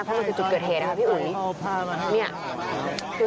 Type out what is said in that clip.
เพราะมันคือจุดเกิดเหตุนะคะพี่อุ๋ย